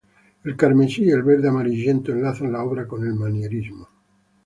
El carmesí y el verde amarillento enlazan la obra con el Manierismo.